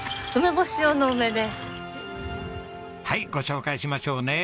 はいご紹介しましょうね。